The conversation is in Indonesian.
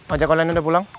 ojek online udah pulang